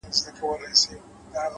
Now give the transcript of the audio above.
وخت د هر عمل اغېز ساتي.!